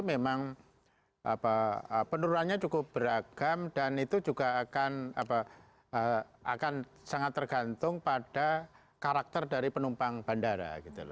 memang penurunannya cukup beragam dan itu juga akan sangat tergantung pada karakter dari penumpang bandara